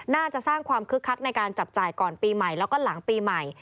น่าจะสร้างความคึกคักในการจับจ่ายก่อนปีใหม่แล้วก็หลังปีใหม่